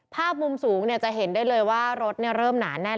ภาพมุมสูงจะเห็นได้เลยว่ารถเริ่มหนาแน่น